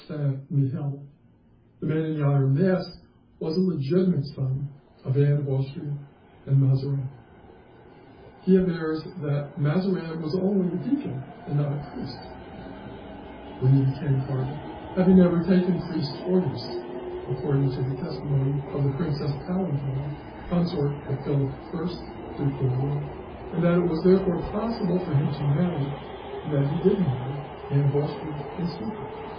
de Saint Mihiel, the 'Man in the Iron Mask was a legitimate son of Anne of Austria and Mazarin'. He avers that Mazarin was only a deacon, and not a priest, when he became cardinal, having never taken priest's orders, according to the testimony of the Princess Palatine, consort of Philip I, Duc d'Orleans, and that it was therefore possible for him to marry, and that he did marry, Anne of Austria in secret.